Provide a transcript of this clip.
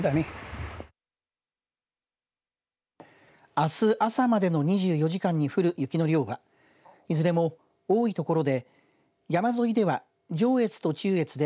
あす朝までの２４時間に降る雪の量はいずれも多い所で山沿いでは上越と中越で